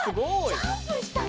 ジャンプしたね！